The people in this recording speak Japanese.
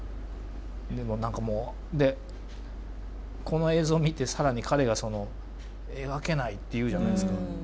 でも何かもうでこの映像を見て更に彼がその「描けない」って言うじゃないですか。